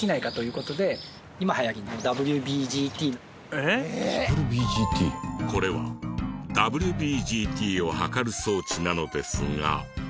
これはＷＢＧＴを測る装置なのですが。